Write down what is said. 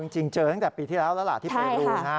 จริงเจอตั้งแต่ปีที่แล้วแล้วล่ะที่ไปดูนะ